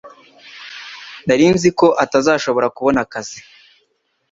Nari nzi ko atazashobora kubona akazi.